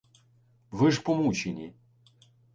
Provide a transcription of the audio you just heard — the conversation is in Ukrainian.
— Ви ж помучені.